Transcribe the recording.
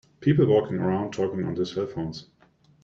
People walking around talking on their cellphones.